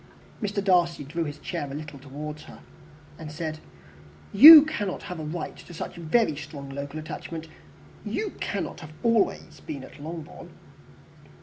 Mr. Darcy drew his chair a little towards her, and said, "You cannot have a right to such very strong local attachment. You cannot have been always at Longbourn."